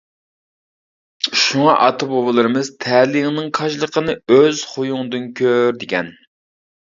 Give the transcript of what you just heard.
شۇڭا، ئاتا-بوۋىلىرىمىز: «تەلىيىڭنىڭ كاجلىقىنى ئۆز خۇيۇڭدىن كۆر» دېگەن.